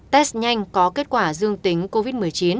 test nhanh có kết quả dương tính covid một mươi chín